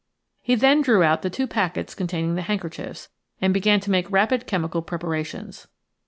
He then drew out the two packets containing the handkerchiefs and began to make rapid chemical preparations.